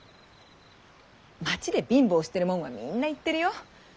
町で貧乏してるもんはみんな言ってるよ。